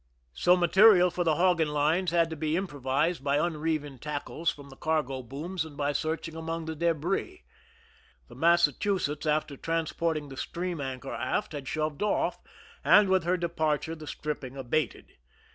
So material for the hogging lines had to be improvised by unreeving tackles from the cargo booms and by searching among the debris. The Massachusetts^ after transporting the stream anchor aft, had shoved off, and with her departure the stripping abated.